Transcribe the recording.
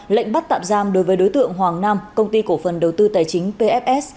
lệnh bắt tạm giam đối với đối tượng hoàng nam công ty cổ phần đầu tư tài chính pfs